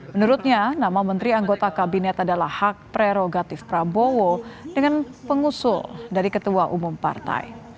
menurutnya nama menteri anggota kabinet adalah hak prerogatif prabowo dengan pengusul dari ketua umum partai